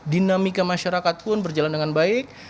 dinamika masyarakat pun berjalan dengan baik